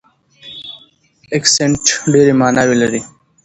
اکسنټ ډېرې ماناوې لري.